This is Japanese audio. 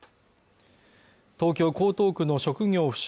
東京江東区の職業不詳